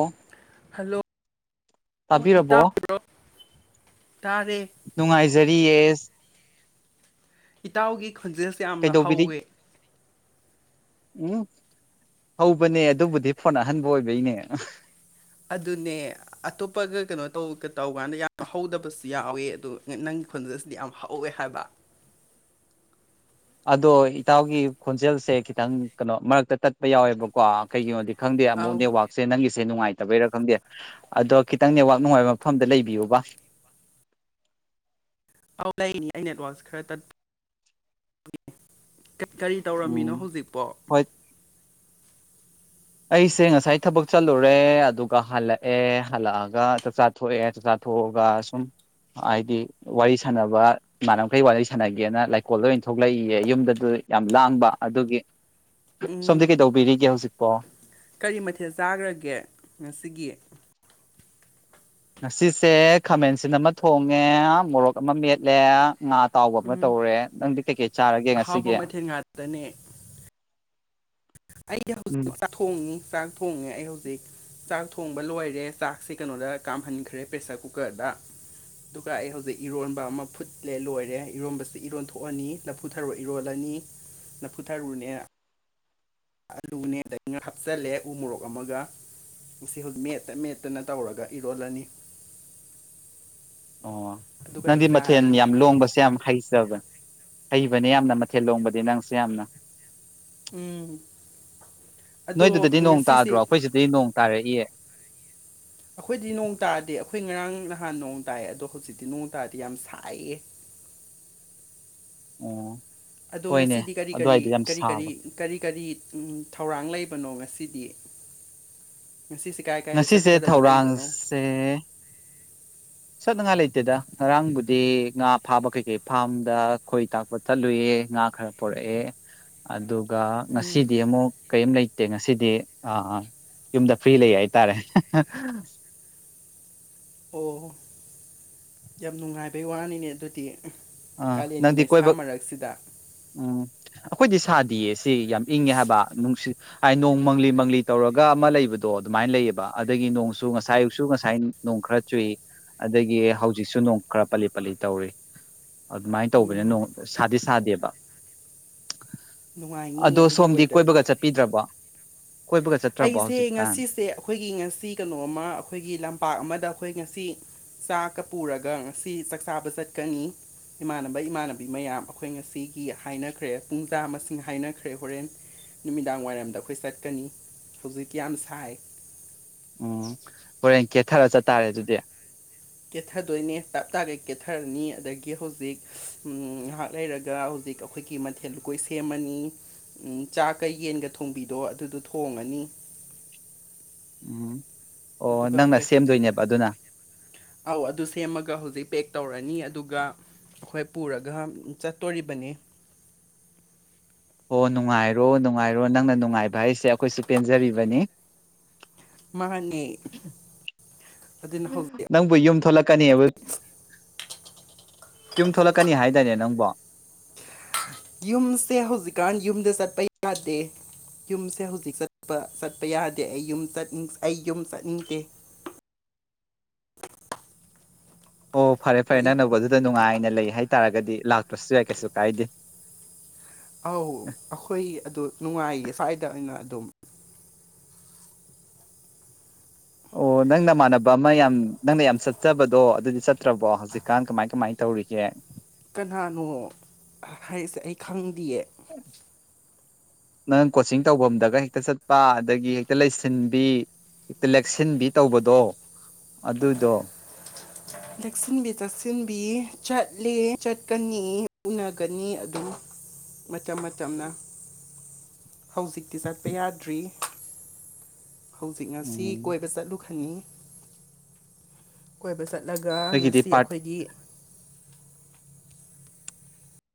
ꯑꯣ ꯍꯂꯣ ꯏꯇꯥ ꯇꯥꯕꯤꯔꯕꯣ ꯍꯔꯛ ꯅꯨꯡꯉꯥꯏꯖꯔꯤ ꯌꯦꯁ ꯏꯇꯥꯎꯒꯤ ꯈꯣꯟꯖꯦꯜꯁꯦ ꯌꯥꯝꯅ ꯍꯧꯋꯦ ꯀꯩꯗꯧꯕꯤꯔꯤ ꯎꯝ ꯍꯧꯕꯅꯦ ꯑꯗꯨꯕꯨꯗꯤ ꯐꯣꯟ ꯑꯍꯟꯕ ꯑꯣꯏꯕꯩꯅꯦ ꯑꯗꯨꯅꯦ ꯑꯇꯣꯞꯄꯒ ꯀꯩꯅꯣ ꯇꯧ ꯇꯧꯀꯥꯟꯗ ꯌꯥꯝꯅ ꯍꯧꯗꯕꯁꯨ ꯌꯥꯎꯋꯦ ꯑꯗꯨꯣ ꯅꯪ ꯈꯨꯟꯗꯁꯤꯗꯤ ꯌꯥꯝ ꯍꯧꯥꯎꯋꯦ ꯍꯥꯏꯕ ꯑꯗꯣ ꯏꯇꯥꯎꯒꯤ ꯈꯣꯟꯖꯦꯜꯁꯦ ꯈꯤꯇꯪ ꯀꯩꯅꯣ ꯃꯔꯛꯇ ꯇꯠꯄ ꯌꯥꯎꯋꯦꯕꯀꯣ ꯀꯩꯒꯤꯅꯣꯗꯤ ꯈꯪꯗꯦ ꯑꯃꯨꯛ ꯑꯧ ꯅꯦꯋꯥꯛꯁꯦ ꯅꯪ ꯁꯦ ꯅꯨꯡꯉꯥꯏꯇꯕꯩꯔ ꯈꯪꯗꯦ ꯑꯗꯣ ꯈꯤꯇꯪ ꯅꯦꯠꯋꯥꯛ ꯅꯨꯡꯉꯥꯏꯕ ꯃꯐꯝꯗ ꯂꯩꯕꯤꯌꯨꯕ ꯑ ꯑꯧ ꯂꯩꯅꯤ ꯑꯩ ꯅꯦꯠꯋꯥꯛꯁ ꯈꯔ ꯇꯠꯄ ꯀꯔꯤ ꯇꯧꯔꯝꯃꯤꯅꯣ ꯎꯝ ꯍꯧꯖꯤꯛꯄꯣ ꯍꯣꯏ ꯑꯩꯁꯦ ꯉꯁꯥꯏ ꯊꯕꯛ ꯆꯠꯂꯨꯔꯦ ꯑꯗꯨꯒ ꯍꯜꯂꯛꯑꯦ ꯍꯜꯂꯛꯑꯒ ꯆꯥꯛꯆꯥ ꯊꯣꯛꯑꯦ ꯆꯥꯛꯆꯥ ꯊꯒ ꯁꯨꯝ ꯍꯥꯏꯗꯤ ꯋꯥꯔꯤ ꯁꯥꯟꯅꯕ ꯏꯃꯥꯟꯅꯕꯈꯩ ꯋꯥꯔꯤ ꯁꯥꯟꯅꯒꯦꯅ ꯂꯩꯀꯣꯜꯗ ꯑꯣꯏꯅ ꯊꯣꯛꯂꯛꯏꯌꯦ ꯌꯨꯝꯗ ꯌꯥꯝ ꯂꯥꯡꯕ ꯑꯗꯨꯒꯤ ꯁꯣꯝꯗꯤ ꯎꯝ ꯀꯩꯗꯧꯕꯤꯔꯤꯒꯦ ꯍꯧꯖꯤꯛꯄꯣ ꯀꯔꯤ ꯃꯊꯦꯜ ꯆꯥꯈ꯭ꯔꯒꯦ ꯉꯁꯤꯒꯤ ꯉꯁꯤꯁꯦ ꯈꯥꯃꯦꯟꯁꯤꯟ ꯑꯃ ꯊꯣꯡꯉꯦ ꯃꯣꯔꯣꯛ ꯑꯃ ꯃꯦꯠꯂꯦ ꯉꯥ ꯇꯥꯎꯕ ꯑꯃ ꯇꯧꯔꯦ ꯅꯪꯗꯤ ꯀꯩꯀꯩ ꯆꯥꯔꯒꯦ ꯑꯍꯥꯎꯕ ꯉꯁꯤꯒꯤ ꯃꯊꯦꯜ ꯑꯩꯁ ꯎꯝ ꯍꯧꯖꯤꯛ ꯆꯥꯛ ꯊꯣꯡꯉꯤ ꯆꯥꯛ ꯊꯣꯡꯉꯦ ꯑꯩ ꯍꯧꯖꯤꯛ ꯆꯥꯛ ꯊꯣꯡꯕ ꯂꯣꯏꯔꯦ ꯆꯥꯛꯁꯦ ꯀꯩꯅꯣꯗ ꯀꯥꯝꯍꯟꯈ꯭ꯔꯦ ꯄ꯭ꯔꯦꯁꯔ ꯀꯨꯀꯔꯗ ꯑꯗꯨꯒ ꯑꯩ ꯍꯧꯖꯤꯛ ꯏꯔꯣꯟꯕ ꯑꯃ ꯐꯨꯠꯂꯦ ꯂꯣꯏꯔꯦ ꯏꯔꯣꯟꯕꯁꯤ ꯏꯔꯣꯟꯊꯣꯛꯑꯅꯤ ꯂꯐꯨꯊꯔꯔꯕ ꯏꯔꯣꯜꯂꯅꯤ ꯅꯐꯨꯊꯥꯔꯨꯅꯦ ꯑꯂꯨꯅꯦꯗꯩꯅ ꯍꯥꯞꯆꯤꯜꯂꯦ ꯎ ꯃꯣꯔꯣꯛ ꯑꯃꯒ ꯁꯤ ꯍꯧꯖꯤꯛ ꯃꯦꯠꯇ ꯃꯦꯠꯇꯅ ꯇꯧꯔꯒ ꯏꯔꯣꯜꯂꯅꯤ ꯑꯣ ꯑꯗꯨꯒ ꯑꯩ ꯅꯪꯗꯤ ꯃꯊꯦꯜ ꯆꯥꯔꯅꯤ ꯌꯥꯝ ꯂꯣꯡꯕꯁꯦ ꯌꯥꯝ ꯍꯩꯖꯕ ꯍꯩꯕꯅꯦ ꯌꯥꯝꯅ ꯃꯊꯦꯜ ꯂꯣꯡꯕꯗꯤ ꯅꯪꯁꯨꯦ ꯌꯥꯝꯅ ꯎꯝ ꯑꯗꯣ ꯅꯣꯏꯗꯨꯗꯗꯤ ꯅꯣꯡ ꯉꯁꯤꯁꯤ ꯇꯥꯗ꯭ꯔꯣ ꯑꯩꯈꯣꯏꯁꯤꯗꯤ ꯅꯣꯡ ꯇꯥꯔꯛꯏꯌꯦ ꯑꯩꯈꯣꯏꯗꯤ ꯅꯣꯡ ꯇꯥꯗꯦ ꯑꯩꯈꯣꯏ ꯉꯔꯥꯡ ꯅꯍꯥꯟ ꯅꯣꯡ ꯇꯥꯏ ꯑꯗꯣ ꯍꯧꯖꯤꯛꯇꯤ ꯅꯣꯡ ꯇꯥꯗꯤ ꯌꯥꯝ ꯁꯥꯏꯌꯦ [unintelligible] ꯑꯣ ꯑꯗꯣ ꯍꯣꯏꯅꯦ ꯉꯁꯤꯗꯤ ꯀꯔꯤ ꯀꯔꯤ ꯑꯗꯨꯋꯥꯏꯗꯤ ꯌꯥꯝ ꯀꯔꯤ ꯀꯔꯤ ꯁꯥꯕ ꯀꯔꯤ ꯀꯔꯤ ꯊꯧꯔꯥꯡ ꯂꯩꯕꯅꯣ ꯉ ꯐꯁꯤ ꯗꯌꯦ ꯉꯁꯤꯁꯦ ꯊꯧꯔꯥꯡꯁꯦ ꯆꯠꯅꯉꯥꯏ ꯂꯩꯇꯦꯗ ꯉꯔꯥꯡꯕꯨꯗꯤ ꯉꯥ ꯐꯥꯕ ꯀꯩ ꯀꯩ ꯐꯥꯔꯝꯗ ꯈꯣꯏ ꯇꯥꯛꯄ ꯆꯠꯂꯨꯏꯌꯦ ꯉꯥ ꯈꯔ ꯄꯔꯛꯑꯦ ꯑꯗꯨ ꯑꯗꯨꯒ ꯎꯝ ꯉꯁꯤꯗꯤ ꯑꯃꯨꯛ ꯀꯔꯤꯝ ꯂꯩꯇꯦ ꯉꯁꯤꯗꯤ ꯌꯨꯝꯗ ꯐ꯭ꯔꯤ ꯂꯩ ꯍꯥꯏ ꯇꯥꯔꯦ ꯑꯣ ꯌꯥꯝ ꯅꯨꯡꯉꯥꯏꯕꯩ ꯋꯥꯅꯤꯅꯦ ꯑꯗꯨꯗꯤ ꯑꯥ ꯀꯥꯂꯦꯟꯒꯤ ꯅꯪꯗꯤ ꯀꯣꯏꯕ ꯃꯩꯁꯥ ꯃꯔꯛꯁꯤꯗ ꯎꯝ ꯑꯩꯈꯣꯏꯗꯤ ꯁꯥꯗꯤꯌꯦ ꯁꯤ ꯌꯥꯝ ꯏꯪꯉꯦ ꯍꯥꯏꯕ ꯅꯨꯡꯁꯤꯠ ꯍꯥꯏꯗꯤ ꯅꯣꯡ ꯃꯪꯂꯤ ꯃꯪꯂꯤ ꯇꯧꯔꯒ ꯑꯃ ꯂꯩꯕꯗꯣ ꯑꯗꯨꯃꯥꯏꯅ ꯁꯃꯥꯏꯅ ꯂꯩꯑꯕ ꯑꯗꯒꯤ ꯅꯣꯡꯁꯨ ꯉꯁꯥꯏ ꯑꯌꯨꯛꯁꯨ ꯉꯁꯥꯏ ꯅꯣꯡ ꯈꯔ ꯆꯨꯏ ꯑꯗꯒꯤ ꯍꯧꯖꯤꯛꯁꯨ ꯅꯣꯡ ꯈꯔ ꯄꯂꯤ ꯄꯜꯂꯤ ꯇꯧꯔꯤ ꯑꯗꯨꯃꯥꯏꯅ ꯇꯧꯕꯅꯤ ꯎꯝ ꯅꯣꯡ ꯁꯥꯗꯤ ꯁꯥꯗꯦꯕ ꯅꯨꯡꯉꯥꯏꯅꯤ ꯑꯗꯣ ꯑꯗꯨꯒꯤ ꯁꯣꯝꯗꯤ ꯋꯦꯗꯔꯗꯣ ꯀꯣꯏꯕꯒ ꯆꯠꯄꯤꯗ꯭ꯔꯕ ꯀꯣꯏꯕꯒ ꯆꯠꯇ꯭ꯔꯕꯣ ꯑꯩꯁꯦ ꯍꯧꯖꯤꯛꯀꯥꯟ ꯉꯁꯤꯁꯦ ꯑꯩꯈꯣꯏꯒꯤ ꯉꯁꯤ ꯀꯩꯅꯣꯝꯃ ꯑꯩꯈꯣꯏꯒꯤ ꯂꯝꯄꯥꯛ ꯑꯃꯗ ꯑꯩꯈꯣꯏ ꯉꯁꯤ ꯆꯥꯛꯀ ꯄꯨꯔꯒ ꯉꯁꯤ ꯆꯥꯛꯆꯥꯕ ꯆꯠꯀꯅꯤ ꯏꯃꯥꯟꯅꯕ ꯏꯃꯥꯟꯅꯕꯤ ꯃꯌꯥꯝ ꯑꯩꯈꯣꯏ ꯉꯁꯤꯒꯤ ꯍꯥꯏꯅꯈ꯭ꯔꯦ ꯄꯨꯡꯖꯥ ꯃꯁꯤꯡ ꯍꯥꯏꯅꯈ꯭ꯔꯦ ꯍꯣꯔꯦꯟ ꯅꯨꯃꯤꯗꯥꯡ ꯋꯥꯏꯔꯝꯗ ꯑꯩꯈꯣꯏ ꯆꯠꯀꯅꯤ ꯐꯖꯤꯨꯇꯌꯥ ꯑꯃ ꯆꯥꯏ ꯎꯝ ꯍꯣꯔꯦꯟ ꯀꯦꯊꯔ ꯆꯠꯇꯥꯥꯔꯦ ꯑꯗꯨꯗꯤ ꯀꯦꯊꯗꯣꯏꯅꯦ ꯇꯞ ꯇꯥꯒ ꯀꯦꯠꯊꯔꯅꯤ ꯑꯗꯒꯤ ꯍꯧꯖꯤꯛ ꯉꯥꯏꯍꯥꯛ ꯂꯩꯔꯒ ꯍꯧꯖꯤꯛ ꯑꯛ ꯑꯩꯈꯣꯏꯒꯤ ꯃꯊꯦꯜ ꯂꯨꯀꯣꯏ ꯁꯦꯝꯃꯅꯤ ꯎ ꯆꯥꯛꯀ ꯌꯦꯟꯒ ꯊꯣꯡꯕꯤꯗꯣ ꯑꯗꯨꯗꯣ ꯊꯣꯡꯉꯅꯤ ꯎꯝ ꯑꯣ ꯑꯗꯨꯒ ꯅꯪꯅ ꯑꯩꯈꯣꯏ ꯍꯧꯖꯤꯛ ꯁꯦꯝꯗꯣꯏꯅꯦꯕ ꯑꯗꯨꯅ ꯑꯥꯎ ꯑꯗꯨ ꯁꯦꯝꯃꯒ ꯍꯧꯖꯤꯛ ꯄꯦꯛ ꯇꯧꯔꯅꯤ ꯑꯗꯨꯒ ꯑꯩꯈꯣꯏ ꯄꯨꯔꯒ ꯆꯠꯇꯣꯔꯤꯕꯅꯤ [unintelligible] ꯑꯣ ꯅꯨꯡꯉꯥꯏꯔꯣ ꯅꯨꯡꯉꯥꯏꯔꯣ ꯅꯪꯅ ꯅꯨꯡꯉꯥꯏꯕ ꯍꯥꯏꯁꯦ ꯑꯩꯈꯣꯏꯁꯨ ꯄꯦꯟꯖꯔꯤꯕꯅꯤ ꯃꯍꯍꯅꯦꯩꯔ ꯂꯝ ꯅꯪꯕꯨ ꯌꯨꯝ ꯊꯣꯛꯂꯛꯀꯅꯤꯕ ꯌꯨꯝ ꯊꯣꯛꯂꯛꯀꯅꯤ ꯍꯥꯏꯗꯅꯦ ꯅꯪꯕ ꯌꯨꯝꯁꯦ ꯍꯧꯖꯤꯛꯀꯥꯟ ꯌꯨꯝꯗ ꯆꯠꯄ ꯌꯥꯗꯦ ꯌꯨꯝꯁꯦ ꯍꯧꯖꯤꯛ ꯆꯠꯄ ꯆꯠꯄ ꯌꯥꯗꯦ ꯑꯩ ꯌ ꯑꯩ ꯌꯨꯝ ꯆꯠꯅꯤꯡꯗꯦ [unintelligible] ꯑꯣ ꯐꯔꯦ ꯐꯔꯦ ꯑꯩ ꯅꯪꯅꯧꯕ ꯑꯗꯨꯗ ꯅꯨꯡꯉꯥꯏꯅ ꯂꯩ ꯍꯥꯏꯇꯥꯥꯔꯒꯗꯤ ꯂꯥꯛꯇ꯭ꯔꯁꯨ ꯌꯥꯏ ꯀꯩꯁꯨ ꯀꯥꯏꯗꯦ ꯑꯧ ꯑꯩꯈꯣꯏ ꯑꯗꯨ ꯅꯨꯡꯉꯥꯏꯌꯦ ꯁ꯭ꯋꯥꯏꯗ ꯑꯣꯏꯅ ꯑꯗꯨꯝ ꯑꯣ ꯅꯪ ꯅꯃꯥꯟꯅꯕ ꯑꯃ ꯌꯥꯝ ꯅꯪꯅ ꯌꯥꯝ ꯆꯠꯆꯕꯗꯣ ꯑꯗꯨꯗꯤ ꯆꯠꯇ꯭ꯔꯕꯣ ꯍꯧꯖꯤꯛꯀꯥꯟ ꯀꯃꯥꯏ ꯀꯃꯥꯏ ꯇꯧ ꯇꯧꯔꯤꯁꯦ ꯀꯅꯥꯅꯣ ꯍꯥꯏꯔꯤꯁꯦ ꯑꯩ ꯈꯪꯗꯌꯦ ꯅꯪ ꯀꯣꯆꯤꯡ ꯇꯧꯐꯝꯗꯒ ꯍꯦꯛꯇ ꯆꯠꯄ ꯑꯗꯒꯤ ꯍꯦꯛꯇ ꯂꯩꯁꯤꯟꯕꯤ ꯍꯦꯛꯇ ꯂꯦꯛꯁꯤꯟꯕꯤ ꯇꯧꯕꯗꯣ ꯑꯗꯨꯗꯣ ꯇꯛꯁꯤꯟꯕꯤ ꯇꯛꯁꯤꯟꯕꯤ ꯆꯠꯂꯦ ꯆꯠꯀꯅꯤ ꯎꯅꯒꯅꯤ ꯑꯗꯨ ꯃꯇꯝ ꯃꯇꯝꯅ ꯍꯧꯖꯤꯛꯇꯤ ꯆꯠꯄ ꯌꯥꯗ꯭ꯔꯤ ꯍꯧꯖꯤꯛ ꯉꯁꯤ ꯎꯝ ꯀꯣꯏꯕ ꯆꯠꯂꯨ ꯈꯉ ꯀꯣꯏꯕ ꯆꯠꯂ ꯆꯠꯂꯒ ꯅꯣꯏꯒꯤꯗꯤ ꯉꯁꯤ ꯄꯥꯔꯠ ꯑꯩꯈꯣꯏꯒꯤ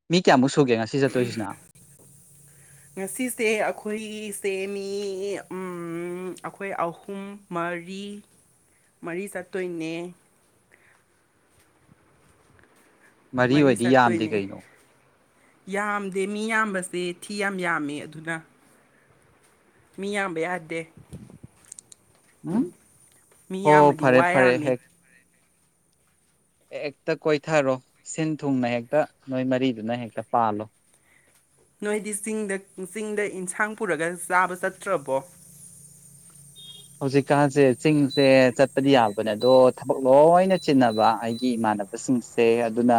ꯃꯤ ꯀꯌꯥꯃꯨꯛ ꯁꯨꯒꯦ ꯉꯁꯤ ꯆꯠꯇꯣꯏꯁꯤꯅ ꯉꯁꯤꯁꯦ ꯑꯩꯈꯣꯏꯁꯦ ꯃꯤ ꯑꯩꯈꯣꯏ ꯑꯍꯨꯝ ꯑꯔꯤ ꯃꯔꯤ ꯆꯥꯠꯇꯣꯏꯅꯦ ꯃꯔꯤ ꯑꯣꯏꯗꯤ ꯌꯥꯝꯗꯦ ꯆꯠꯇꯣꯏꯅꯦ ꯀꯩꯅꯣ ꯌꯥꯝꯗꯦ ꯃꯤ ꯌꯥꯝꯕꯁ ꯁꯦ ꯊꯤ ꯌꯥꯝ ꯌꯥꯝꯃꯦ ꯑꯗꯨꯅ ꯃꯤꯌꯥ ꯌꯥꯗ ꯎꯝ ꯍ ꯌꯥꯝꯃꯗꯤ ꯐꯔꯦ ꯋꯥ ꯐꯔꯦ ꯌꯥꯝꯃꯤ ꯍꯦꯛ ꯍꯦꯛꯇ ꯀꯣꯏꯊꯔꯣ ꯁꯤꯟ ꯊꯨꯡꯅ ꯍꯦꯛꯇ ꯅꯣꯏ ꯃꯔꯤꯗꯨꯅ ꯍꯦꯛꯇ ꯄꯥꯜꯂꯣ ꯅꯣꯏꯗꯤ ꯆꯤꯡꯗ ꯆꯤꯡꯗ ꯏꯟꯁꯥꯡ ꯄꯨꯔꯒ ꯆꯥꯕ ꯆꯠꯇ꯭ꯔꯕꯣ ꯍꯧꯖꯤꯛꯀꯥꯟꯁꯦ ꯆꯤꯡꯁꯦ ꯆꯠꯄꯗꯤ ꯌꯥꯕꯅꯦ ꯑꯗꯣ ꯊꯕꯛ ꯂꯣꯏꯅ ꯆꯤꯟꯅꯕ ꯑꯩꯒꯤ ꯏꯃꯥ ꯥꯟꯅꯕꯁꯤꯡꯁꯦ ꯑꯗꯨꯅ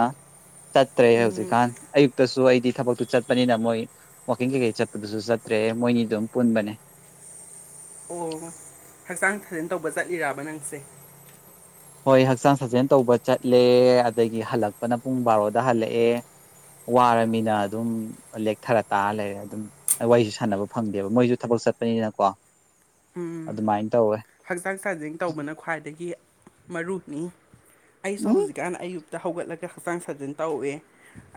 ꯆꯠꯇ꯭ꯔꯦ ꯎꯝ ꯍꯧꯖꯤꯛꯀꯥꯟ ꯑꯌꯨꯛꯇꯁꯨ ꯑꯩꯗꯤ ꯊꯕꯛꯇꯨ ꯆꯠꯄꯅꯤꯅ ꯃꯣꯏ ꯋꯥꯋꯀꯤꯡ ꯀꯩꯀꯩ ꯆꯠꯄꯗꯨꯁꯨ ꯆꯠꯇ꯭ꯔꯦ ꯔꯦ ꯃꯣꯏꯅꯤ ꯑꯗꯨꯝ ꯄꯨꯟꯕꯅꯦ ꯑꯣ ꯍꯛꯆꯥꯡ ꯊꯥꯖꯟ ꯇꯧꯕ ꯆꯠꯂꯤꯔꯕ ꯅꯪꯁꯦ ꯍꯣꯏ ꯍꯛꯆꯥꯡ ꯁꯥꯖꯦꯜ ꯇꯧꯕ ꯆꯠꯂꯦ ꯑꯗꯒꯤ ꯍꯜꯂꯛꯄꯅ ꯄꯨꯡ ꯕꯥꯔꯣꯗ ꯍꯜꯂꯛꯑꯦ ꯋꯥꯔꯃꯤꯅ ꯑꯗꯨꯝ ꯂꯦꯛꯊꯔ ꯇꯥꯔ ꯂꯩꯔꯦ ꯑꯗꯨꯝ ꯋꯥꯔꯤꯁꯨ ꯁꯥꯟꯅꯕ ꯐꯪꯗꯦꯕ ꯃꯣꯏꯁꯨ ꯊꯕꯛ ꯅꯤꯅꯀꯣ ꯎꯝ ꯍꯛꯆꯥꯡ ꯆꯥꯡꯖꯦꯟ ꯇꯧꯕꯅ ꯈ꯭ꯋꯥꯏꯗꯒꯤ ꯃꯔꯨꯅꯤ ꯑꯩꯁꯨ ꯎꯝ ꯍꯧꯖꯤꯛꯀꯥꯟ ꯑꯌꯨ ꯇ ꯍꯧꯒꯠꯂꯒ ꯍꯛꯆꯥꯡ ꯁꯥꯖꯟ ꯇꯧꯋꯦ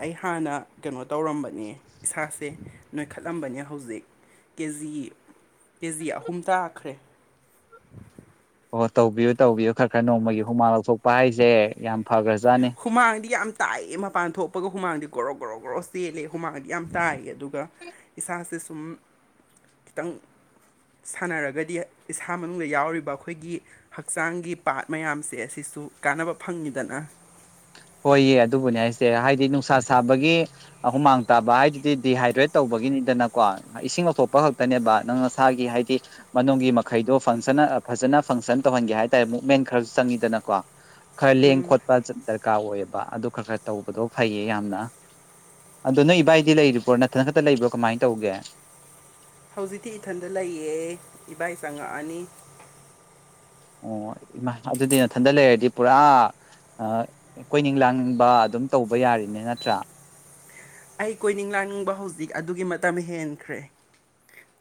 ꯑꯩ ꯍꯥꯟꯅ ꯀꯩꯅꯣ ꯇꯧꯔꯝꯕꯅꯦ ꯏꯁꯥꯁꯦ ꯅꯣꯏꯈꯠꯂꯝꯕꯅꯦ ꯍꯧꯖꯤꯛ ꯀꯦ ꯖꯤ ꯀꯦ ꯖꯤ ꯑꯍꯨꯝ ꯇꯥꯈ꯭ꯔꯦ [unintelligible] ꯑꯣ ꯇꯧꯕꯤꯌꯨ ꯇꯧꯕꯤꯌꯨ ꯈꯔ ꯈꯔ ꯅꯣꯡꯃꯒꯤ ꯍꯨꯃꯥꯡ ꯂꯧꯊꯣꯛꯄ ꯍꯥꯏꯁꯦ ꯌꯥꯝ ꯐꯈ꯭ꯔꯁꯦ ꯍꯨꯃꯥꯡꯗꯤ ꯌꯥꯝ ꯇꯥꯏꯑ ꯃꯄꯥꯟ ꯊꯣꯛꯄꯒ ꯍꯨꯃꯥꯡꯗꯤ ꯣꯔꯣ ꯣꯔꯣ ꯣꯔꯣ ꯆꯦꯜꯂꯦ ꯍꯨꯃꯥꯡꯗꯤ ꯌꯥꯝ ꯇꯥꯏꯑ ꯑꯗꯨꯗ ꯑꯗꯨꯒ ꯏꯁꯥꯁꯦ ꯁꯨꯝ ꯈꯤꯇꯪ ꯁꯥꯟꯅꯔꯒꯗꯤ ꯏꯁꯥ ꯃꯅꯨꯡꯗ ꯌꯥꯎꯔꯤꯕ ꯑꯩꯈꯣꯏꯒꯤ ꯍꯛꯆꯥꯡꯒꯤ ꯄꯥꯠ ꯃꯌꯥꯝꯁꯦ ꯑꯁꯤ ꯁꯨ ꯀꯥꯟꯅꯕ ꯐꯪꯉꯤꯗꯅ ꯍꯣꯏꯌꯦ ꯑꯗꯨꯕꯨꯅꯦ ꯍꯥꯏꯁꯦ ꯍꯥꯏꯗꯤ ꯅꯨꯡꯁꯥ ꯁꯥꯕꯒꯤ ꯍꯨꯃꯥꯡ ꯇꯥꯕ ꯍꯥꯏꯗꯨꯗꯤ ꯗꯤꯍꯥꯏꯗ꯭ꯔꯦꯠ ꯇꯧꯕ ꯅꯤꯗꯅꯀꯣ ꯏꯁꯤꯡ ꯑꯊꯣꯛꯄ ꯈꯛꯇꯅꯦꯕ ꯅꯪ ꯅꯁꯥꯒꯤ ꯍꯥꯏꯗꯤ ꯃꯅꯨꯡꯒꯤ ꯃꯈꯩꯗꯣ ꯐꯪꯁ ꯐꯖꯅ ꯐꯪꯁꯟ ꯇꯧꯍꯟꯒꯦ ꯍꯥꯏ ꯇꯔꯦ ꯃꯦꯟ ꯈ ꯆꯪꯉꯤꯗꯅꯀꯣ ꯈꯔ ꯂꯦꯡ ꯈꯣꯠꯄ ꯗꯔꯀꯥꯔ ꯑꯣꯏꯌꯦꯕ ꯑꯗꯨ ꯈꯔ ꯈꯔ ꯇꯧꯕꯗꯣ ꯐꯩꯌꯦ ꯌꯥꯝꯅꯡ ꯑꯗꯣ ꯅꯣꯏ ꯏꯕꯥꯏꯗꯤ ꯂꯩꯔꯤꯕ꯭ꯔꯣ ꯅꯠꯇꯅ ꯈꯛꯇ ꯂꯩꯕ꯭ꯔꯣ ꯀꯃꯥꯏꯅ ꯇꯧꯒꯦ ꯍꯧꯖꯤꯛꯇꯤ ꯏꯊꯟꯗ ꯂꯩꯌꯦ ꯏꯕꯥꯏ ꯆꯪꯉꯛꯑꯅꯤ ꯑꯣ ꯏꯃꯥ ꯑꯗꯨꯗꯤ ꯃꯊꯟꯗ ꯂꯩꯔꯗꯤ ꯄꯨꯔꯥ ꯀꯣꯏꯅꯤꯡ ꯂꯥꯡꯅꯤꯡꯕ ꯑꯗꯨꯝ ꯇꯧꯕ ꯌꯥꯔꯤꯅꯦ ꯅꯠꯇ꯭ꯔꯥ ꯑꯩ ꯀꯣꯏꯅꯤꯡ ꯂꯥꯅꯤꯡꯕ ꯍꯧꯖꯤꯛ ꯑꯗꯨꯒꯤ ꯃꯇꯝ ꯍꯦꯟꯈ꯭ꯔꯦ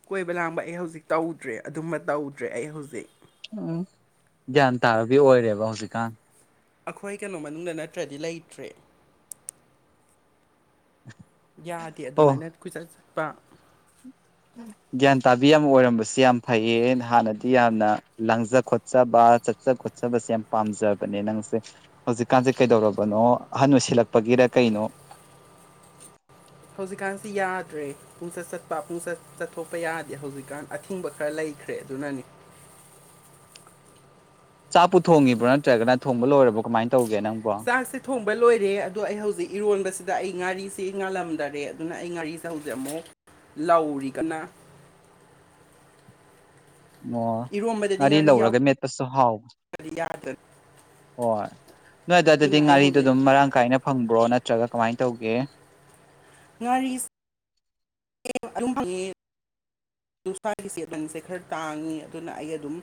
ꯀꯣꯏꯕ ꯂꯥꯡꯕ ꯑꯩ ꯍꯧꯖꯤꯛ ꯇꯧꯗ꯭ꯔꯦ ꯑꯗꯨꯝꯕ ꯇꯧꯗ꯭ꯔꯦ ꯑꯩ ꯍꯧꯖꯤꯛ ꯎꯝ ꯒ꯭ꯌꯥꯟ ꯇꯥꯕꯕꯤ ꯑꯣꯏꯔꯦꯕ ꯍꯧꯖꯤꯛꯀꯥꯟ ꯑꯩꯈꯣꯏ ꯀꯩꯅꯣ ꯃꯅꯨꯡꯗ ꯅꯠꯇ꯭ꯔꯗꯤ ꯂꯩꯇ꯭ꯔꯦ ꯌꯥꯗꯦ ꯑꯣ ꯑꯗꯨꯃꯥꯏꯅ ꯀꯨꯣꯏꯆꯠ ꯆꯠꯄ ꯒ꯭ꯌꯥꯟ ꯇꯥꯕꯤ ꯑꯃ ꯑꯣꯏꯔꯝꯕꯁꯦ ꯌꯥꯝ ꯐꯩꯌꯦ ꯍꯥꯟꯅꯗꯤ ꯌꯥꯝꯅ ꯂꯥꯡꯖ ꯈꯣꯠꯆꯕ ꯆꯠꯆ ꯈꯣꯠꯆꯕꯁꯦ ꯌꯥꯝꯅ ꯄꯥꯝꯖꯕꯅꯦ ꯅꯪꯁꯦ ꯍꯧꯖꯤꯛꯀꯥꯟꯁꯦ ꯀꯩꯗꯧꯔꯕꯅꯣ ꯑꯍꯟ ꯑꯣꯏꯁꯤꯜꯂꯛꯄꯒꯤꯔ ꯀꯩꯅꯣ [unintelligible] ꯍꯧꯖꯤꯛꯀꯥꯟꯁꯤ ꯌꯥꯗ꯭ꯔꯦ ꯄꯨꯡꯆꯠ ꯆꯠꯄ ꯄꯨꯡꯆꯠ ꯆꯠꯊꯣꯛꯄ ꯌꯥꯗꯦ ꯍꯧꯖꯤꯛꯀꯥꯟ ꯑꯊꯤꯡꯕ ꯈꯔ ꯂꯩꯈ꯭ꯔꯦ ꯑꯗꯣ ꯆꯅꯅꯤ ꯆꯥꯛꯄꯨ ꯊꯣꯡꯉꯤꯕ꯭ꯔꯣ ꯅꯠꯇ꯭ꯔꯒꯅ ꯊꯣꯡꯕ ꯂꯣꯏꯔꯕꯣ ꯀꯃꯥꯏꯅ ꯇꯧꯒ ꯆꯥꯛꯁꯦ ꯊꯣꯡꯕ ꯂꯣꯏꯔꯦ ꯑꯗꯣ ꯑꯩ ꯍꯧꯖꯤꯛ ꯏꯔꯣꯟꯕꯁꯤꯗ ꯑꯗꯨꯗ ꯑꯩ ꯉꯥꯔꯤꯁꯤ ꯉꯥꯜꯂꯝꯗꯔꯦ ꯑꯗꯨꯅ ꯑꯩ ꯉꯥꯔꯤꯁꯦ ꯍꯧꯖꯤꯛ ꯑꯃꯨꯛ ꯂꯧꯔꯤꯒꯅ [unintelligible] ꯑꯣ ꯉꯥꯔꯤ ꯂꯧꯔꯒ ꯃꯦꯠꯄꯁꯨ ꯍꯥꯎꯋ ꯐꯌꯥꯗꯠ ꯍꯣꯏ ꯅꯣꯏ ꯑꯗꯨ ꯑꯗꯨꯗꯤ ꯉꯥꯔꯤꯗꯣ ꯍꯧꯖꯤꯛ ꯑꯗꯨꯝ ꯃꯔꯥꯡ ꯀꯥꯏꯅ ꯐꯪꯕ꯭ꯔꯣ ꯅꯠꯇ ꯅꯠꯇ꯭ꯔꯒ ꯀꯃꯥꯏꯅ ꯇꯧꯒꯦ ꯉꯥꯔꯤ [unintelligible] ꯅꯨꯡꯁꯥꯒꯤ ꯆꯦꯂꯪꯁꯦ ꯈꯔ ꯇꯥꯡꯉꯤ ꯑꯗꯨꯅ ꯑꯩ ꯑꯗꯨꯝ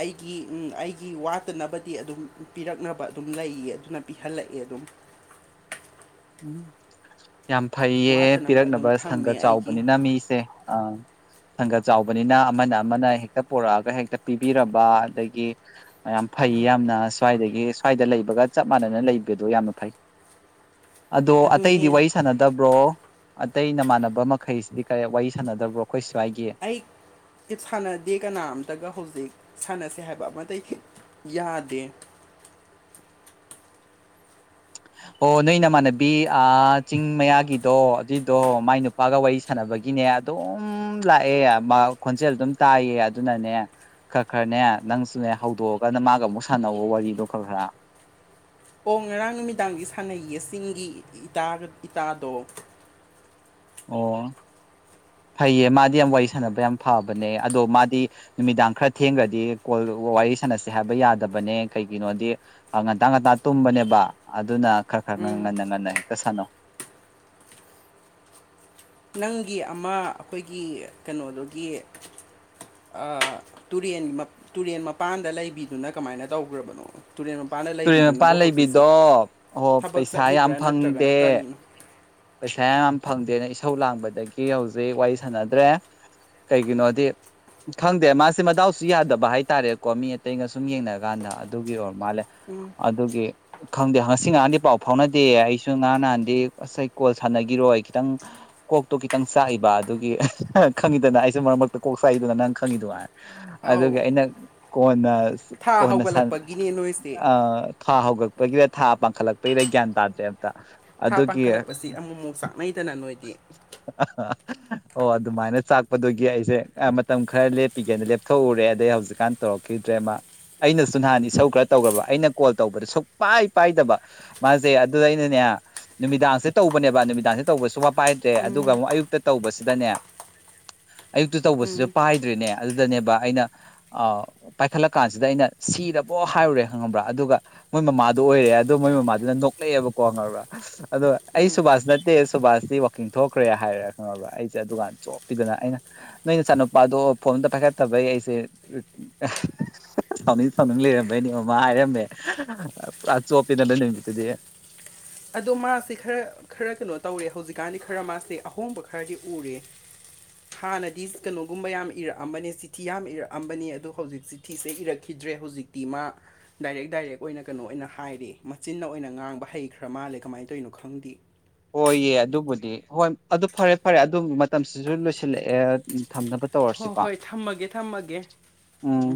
ꯑꯩꯒꯤ ꯑꯩꯒꯤ ꯋꯥꯠꯇꯅꯕꯗꯤ ꯑꯗꯨꯝ ꯄꯤꯔꯛꯅꯕ ꯑꯗꯨꯝ ꯂꯩꯌꯦ ꯑꯗꯨꯅ ꯄꯤꯍꯜꯂꯤ ꯂꯛꯑꯦ ꯑꯗꯨꯝ ꯎꯝ ꯌꯥꯝ ꯐꯩꯌꯦ ꯋꯥꯠꯇꯅꯕ ꯄꯤꯔꯛꯅꯕ ꯑꯗꯨꯝ ꯁꯪꯒ ꯊꯝꯃꯦ ꯑꯩꯒꯤ ꯆꯥꯎꯕꯅꯤꯅ ꯃꯤꯁꯦ ꯑ ꯁꯪꯒ ꯆꯥꯎꯕꯅꯤꯅ ꯑꯃꯅ ꯑꯃꯅ ꯍꯦꯛꯇ ꯄꯨꯔꯛꯑꯒ ꯍꯦꯛꯇ ꯄꯤꯕꯤꯔꯕ ꯑꯗꯒꯤ ꯌꯥꯝ ꯐꯩ ꯌꯥꯝꯅ ꯁ꯭ꯋꯥꯏꯗꯒꯤ ꯁ꯭ꯋꯥꯏꯗ ꯂꯩꯕꯒ ꯆꯞ ꯃꯥꯟꯅꯅ ꯂꯩꯕꯗꯣ ꯌꯥꯝꯅ ꯐꯩ ꯑꯗꯣ ꯑꯇꯩꯗꯤ ꯑꯗꯨꯅꯦ ꯋꯥꯔꯤ ꯁꯥꯟꯅꯗꯕ꯭ꯔꯣ ꯑꯇꯩ ꯅꯃꯥꯟꯅꯕ ꯃꯈꯩꯁꯤꯗꯤ ꯀꯔꯤ ꯋꯥꯔꯤ ꯁꯥꯟꯅꯗꯕ꯭ꯔꯣ ꯑꯩꯈꯣꯏ ꯁ꯭ꯋꯥꯏꯒꯤ ꯑꯩ ꯁꯥꯟꯅꯗꯦ ꯀꯅꯥꯝꯇꯒ ꯍꯧꯖꯤꯛ ꯁꯥꯟꯅꯁꯦ ꯍꯥꯏꯕ ꯑꯃꯗꯩ ꯌꯥꯗꯦ ꯑꯣ ꯅꯣꯏ ꯅꯃꯥꯟꯅꯕꯤ ꯆꯤꯡ ꯃꯌꯥꯒꯤꯗꯣ ꯑꯗꯨꯏꯗꯣ ꯃꯥꯏ ꯅꯨꯄꯥꯒ ꯋꯥꯔꯤ ꯁꯥꯟꯅꯕ ꯒꯤꯅꯦ ꯑꯗꯨꯝ ꯂꯥꯛꯑꯦ ꯈꯣꯟꯖꯦꯜ ꯑꯗꯨꯝ ꯇꯥꯏꯌꯦ ꯑꯗꯨꯅꯅꯦ ꯈꯔ ꯈꯔꯅꯦ ꯅꯪꯁꯨꯅꯦ ꯍꯧꯗꯣꯛꯑꯒ ꯅ ꯃꯥꯒ ꯑꯃꯨꯛ ꯁꯥꯟꯅꯧꯕ ꯋꯥꯔꯤꯗꯣ ꯈꯔ ꯈꯔ ꯑꯣ ꯉꯔꯥꯡ ꯅꯨꯃꯤꯗꯥꯡꯒꯤ ꯁꯥꯟꯅꯩꯁꯤꯡꯒꯤ ꯏꯇꯥꯗꯣ ꯑꯣ ꯐꯩꯌꯦ ꯃꯥꯗꯤ ꯌꯥꯝ ꯋꯥꯔꯤ ꯁꯥꯟꯅꯕ ꯌꯥꯝ ꯐꯕꯅꯦ ꯑꯗꯣ ꯃꯥꯗꯤ ꯅꯨꯃꯤꯗꯥꯡ ꯈꯔ ꯊꯦꯡꯈ꯭ꯔꯗꯤ ꯀꯣꯜ ꯋꯥꯔꯤ ꯁꯥꯟꯅꯁꯦ ꯍꯥꯏꯕ ꯌꯥꯗꯕꯅꯦ ꯀꯩꯒꯤꯅꯣꯗꯤ ꯉꯟꯇ ꯉꯟꯇꯥ ꯇꯨꯝꯕꯅꯦꯕ ꯑꯗꯨꯅ ꯈꯔ ꯈꯔ ꯎꯝ ꯉꯟꯅ ꯉꯟꯅ ꯍꯦꯛꯇ ꯁꯥꯟꯅꯧ ꯅꯪꯒꯤ ꯑꯃ ꯑꯩꯈꯣꯏꯒꯤ ꯀꯩꯅꯣꯗꯨꯒꯤ ꯇꯨꯔꯦꯟꯒꯤ ꯇꯨꯔꯦꯟ ꯃꯄꯥꯟꯗ ꯂꯩꯕꯤꯗꯨꯅ ꯀꯃꯥꯏꯅ ꯇꯧꯈ꯭ꯔꯕꯅꯣ ꯇꯨꯔꯦꯟ ꯃꯄꯥꯟꯗ ꯇꯨꯔꯦꯜ ꯂꯩꯕꯤꯗꯨꯅꯕꯨ ꯃꯄꯥꯟ ꯍꯧꯖꯤꯛꯁꯤ ꯂꯩꯕꯤꯗꯣ ꯑꯣ ꯊꯕꯛ ꯆꯠꯂꯤꯕ꯭ꯔꯥ ꯐꯪꯗꯦ ꯅꯠꯇ꯭ꯔꯒꯅ ꯀꯔꯤꯅꯣ ꯄꯩꯁꯥ ꯌꯥꯝ ꯌꯥꯝ ꯐꯪꯗꯦꯅ ꯏꯁꯧ ꯂꯥꯡꯕꯗꯒꯤ ꯍꯧꯖꯤꯛ ꯋꯥꯔꯤ ꯁꯥꯟꯅꯗ꯭ꯔꯦ ꯀꯩꯒꯤꯅꯣꯗꯤ ꯈꯪꯗꯦ ꯃꯥꯁꯦ ꯃꯇꯗꯥꯎꯁꯨ ꯌꯥꯗꯕ ꯍꯥꯏꯇꯥꯔꯦꯀꯣ ꯃꯤ ꯑꯇꯩꯒ ꯁꯨꯝ ꯌꯦꯡꯅꯔ ꯀꯥꯟꯗ ꯑꯗꯨꯒꯤ ꯑꯣꯏꯔ ꯃꯥꯜꯂꯦ ꯑꯗꯨꯒꯤ ꯈꯪꯗꯦ ꯉꯁꯤ ꯉꯍꯥꯟꯗꯤ ꯄꯥꯎ ꯐꯥꯎꯅꯗꯦ ꯑꯩꯁꯨ ꯉꯍꯥꯟ ꯅꯍꯥꯟꯗꯤ ꯉꯁꯥꯏ ꯀꯣꯜ ꯆꯅꯒꯤꯔꯣꯏ ꯈꯤꯇꯪ ꯀꯣꯛꯇꯣ ꯈꯤꯇꯪ ꯆꯥꯛꯏꯕ ꯑꯗꯨꯒꯤ ꯈꯪꯉꯤꯗꯅ ꯑꯩꯁꯨ ꯃꯔꯛ ꯃꯔꯛꯇ ꯀꯣꯛ ꯆꯥꯛ ꯅꯪ ꯈꯪꯉꯤꯗꯨ ꯑꯗꯨꯒꯤ ꯑꯧ ꯑꯩꯅ ꯀꯣꯟꯅ ꯊꯥ ꯀꯣꯟꯅ ꯍꯧꯒꯠꯂꯛꯄꯒꯤꯅꯦ ꯅꯣꯏꯁꯦ ꯑ ꯊꯥ ꯍꯧꯒꯠꯄꯒꯤꯗ ꯊꯥ ꯄꯥꯡꯈꯠꯂꯛꯄꯒꯤꯗ ꯒ꯭ꯌꯥꯟ ꯇꯥꯗꯦꯕ ꯊꯥ ꯑꯗꯨꯒꯤ ꯄꯥꯡꯈꯠꯂꯛꯄꯁꯤ ꯑꯃꯨꯛꯃꯨꯛ ꯆꯥꯛꯅꯩꯗꯅ ꯅꯣꯏꯗꯤ [unintelligible] ꯑꯣ ꯑꯗꯨꯃꯥꯏꯅ ꯆꯥꯛꯄꯗꯨꯒꯤ ꯑꯩꯁꯦ ꯃꯇꯝ ꯈꯔ ꯂꯦꯞꯄꯤꯒꯦꯅ ꯂꯦꯞꯊꯣꯛꯎꯔꯦ ꯑꯗꯩ ꯍꯧꯖꯤꯛꯀꯥꯟ ꯇꯧꯔꯛꯈꯤꯕ ꯗ꯭ꯔꯦꯃꯥ ꯑꯩꯅꯁꯨ ꯅꯍꯥꯟ ꯏꯁꯧ ꯈꯔ ꯇꯧꯈ꯭ꯔꯕ ꯑꯩꯅ ꯀꯣꯜ ꯇꯧꯕꯗ ꯁꯨꯛ ꯄꯥꯏ ꯄꯥꯏꯗꯕ ꯃꯥꯁꯦ ꯑꯗꯨꯗ ꯑꯩꯅꯅꯦ ꯅꯨꯃꯤꯗꯥꯡꯁꯦ ꯇꯧꯕꯅꯦꯕ ꯅꯨꯃꯤꯗꯥꯡꯁꯦ ꯇꯧꯕ ꯁꯨꯄꯥꯏ ꯗꯦ ꯑꯗꯨꯒ ꯑꯃꯨꯛ ꯑꯌꯨꯛꯇ ꯇꯧꯕꯁꯤꯗꯅꯦ ꯑꯌꯨꯛꯇ ꯇꯧꯕꯁꯤꯁꯨ ꯄꯥꯏꯗ꯭ꯔꯤꯅꯦ ꯑꯗꯨꯗꯅꯦꯕ ꯑꯩꯅ ꯄꯥꯏꯈꯠꯂꯛ ꯀꯥꯟꯁꯤꯗ ꯑꯩꯅ ꯁꯤꯔꯕꯣ ꯍꯥꯏꯔꯨꯔꯦ ꯈꯪꯉꯕ꯭ꯔꯥ ꯑꯗꯨꯒ ꯃꯣꯏ ꯃꯃꯥꯗꯣ ꯑꯣꯏꯔꯦ ꯑꯗꯣ ꯃꯣꯏ ꯃꯃꯥꯗꯨꯅ ꯅꯣꯛꯂꯛꯑꯦꯕꯀꯣ ꯈꯪꯉꯕ꯭ꯔꯥ ꯑꯗꯨꯗ ꯑꯩ ꯁꯨꯕꯥꯁ ꯅꯠꯇꯦ ꯁꯨꯕꯥꯁꯗꯤ ꯀꯤꯡꯊꯣꯛꯈ꯭ꯔꯦ ꯍꯥꯏꯔꯦ ꯈꯪꯉꯕ ꯑꯩꯁꯦ ꯗꯨꯀꯥꯟ ꯆꯣꯞꯄꯤꯗꯅ ꯑꯩꯅ ꯅꯣꯏ ꯅꯆꯥꯅꯨꯄꯥꯗꯣ ꯐꯣꯟꯇꯣ ꯑꯝꯇ ꯄꯥꯏꯈꯠꯇꯕ ꯑꯩꯩ ꯑꯩꯁꯦ ꯁꯥꯎꯅꯤꯡ ꯁꯥꯎꯅꯤꯡ ꯂꯩꯔꯝꯕꯩꯅꯦ ꯃꯃꯥ ꯍꯥꯏꯔꯝꯃꯦ ꯄꯨꯔꯥ ꯆꯣꯞꯄꯦꯗꯅ ꯅꯨꯃꯤꯠꯇꯨꯗꯤ ꯑꯗꯣ ꯃꯥꯁꯦ ꯈꯔ ꯈꯔ ꯀꯩꯅꯣ ꯇꯧꯔꯦ ꯍꯧꯖꯤꯛꯀꯥꯟꯗꯤ ꯈꯔ ꯃꯥꯁꯦ ꯑꯍꯣꯡꯕ ꯈꯔꯗꯤ ꯎꯔꯦ ꯍꯥꯟꯅꯗꯤ ꯀꯩꯅꯣꯒꯨꯝꯕ ꯌꯥꯝꯅ ꯏꯔꯛꯑꯝꯕꯅꯦ ꯆꯤꯊꯤ ꯌꯥꯝ ꯏꯔꯛꯑꯝꯕꯅꯦ ꯑꯗꯨꯣ ꯍꯧꯖꯤꯛ ꯆꯤꯊꯤꯁꯦ ꯏꯔꯛꯈꯤꯗ ꯗ꯭ꯔꯦ ꯍꯧꯖꯤꯛꯇꯤ ꯃꯥ ꯗꯥꯏꯔꯦꯛ ꯗꯥꯏꯔꯦꯛ ꯑꯣꯏꯅ ꯀꯩꯅꯣ ꯑꯣꯏꯅ ꯍꯥꯏꯔꯦ ꯃꯆꯤꯟꯅ ꯑꯣꯏꯅ ꯉꯥꯡꯕ ꯍꯩꯈ꯭ꯔꯦ ꯈꯔ ꯃꯥꯜꯂꯦ ꯀꯃꯥꯏꯅ ꯇꯧꯔꯤꯅꯣ ꯈꯪꯗꯦ ꯍꯣꯏꯌꯦ ꯑꯗꯨꯕꯨꯗꯤ ꯍꯣꯏ ꯑꯗꯨ ꯐꯔꯦ ꯐꯔꯦ ꯑꯗꯨ ꯃꯇꯝꯁꯤꯁꯨ ꯂꯣꯏꯁꯤꯜꯂꯛꯑꯦ ꯎꯝ ꯊꯝꯅꯕ ꯍꯣꯏ ꯇꯧꯔꯁꯤꯀꯣ ꯍꯣꯏ ꯊꯝꯃꯒꯦ ꯊꯝꯃꯒꯦ ꯎꯝ